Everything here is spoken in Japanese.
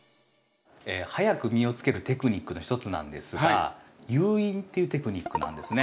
早く実をつけるテクニックの一つなんですが誘引っていうテクニックなんですね。